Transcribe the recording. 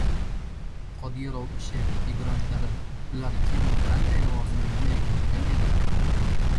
«Qodirov ishi» figurantlari: ular kim va qanday lavozimlarni egallagan edi?